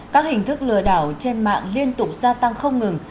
các hình thức lừa đảo trên mạng liên tục gia tăng không ngừng